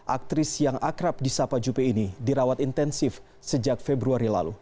aktris yang akrab di sapa juppe ini dirawat intensif sejak februari lalu